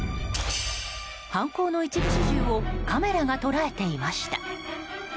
犯行の一部始終をカメラが捉えていました。